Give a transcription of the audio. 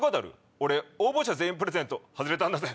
俺応募者全員プレゼント外れたんだぜ。